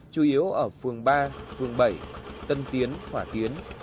chủ yếu ở phường ba phường bảy tân tiến hỏa tiến